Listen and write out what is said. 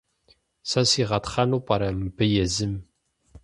Сэ сигъэтхъэну пӏэрэ мыбы езым?